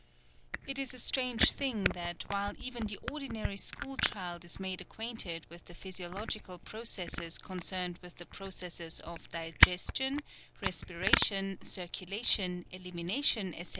It is a strange thing that while even the ordinary school child is made acquainted with the physiological processes concerned with the processes of digestion, respiration, circulation, elimination, etc.